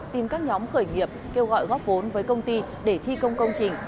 tìm các nhóm khởi nghiệp kêu gọi góp vốn với công ty để thi công công trình